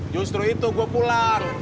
justru itu gue pulang